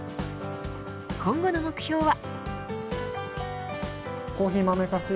今後の目標は。